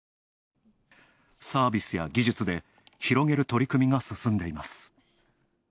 サービスや技術で広げる取り組みが進んでいます。